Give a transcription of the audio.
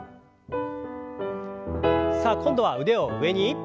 さあ今度は腕を上に。